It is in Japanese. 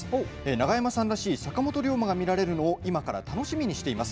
永山さんらしい坂本龍馬が見られるのを今から楽しみにしています。